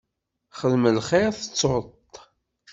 Xdem lxir tettuḍ-t.